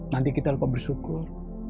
nanti kita lupa bersyukur